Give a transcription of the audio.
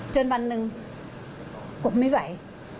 จนวันหนึ่งกบไม่ไหว